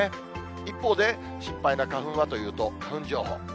一方で、心配な花粉はというと、花粉情報。